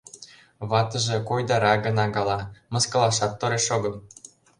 Ватыже койдара гына гала, мыскылашат тореш огыл.